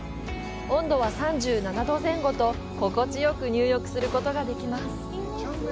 温度は３７度前後と心地よく入浴することができます。